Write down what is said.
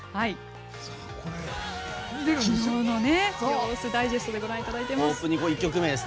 昨日の様子をダイジェストでご覧いただいています。